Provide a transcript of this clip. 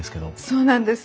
そうなんです。